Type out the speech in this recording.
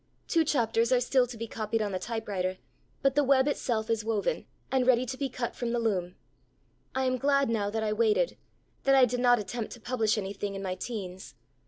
Two chapters are still to be copied on the typewriter, but the 'web' itself is woven, and ready to be cut from the loom. I am glad now that I waited; that I did not attempt to publish anything in my teens.